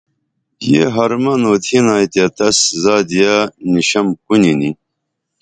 یہ حرمن اوتھینائی تیہ تس زادییہ نِشم کُنی نی